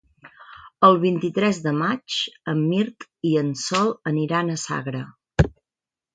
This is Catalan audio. El vint-i-tres de maig en Mirt i en Sol aniran a Sagra.